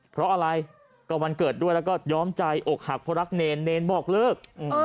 เพราะอะไรก็วันเกิดด้วยแล้วก็ย้อมใจอกหักเพราะรักเนรเนรบอกเลิก